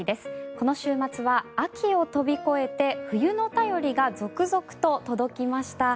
この週末は秋を飛び越えて冬の便りが続々と届きました。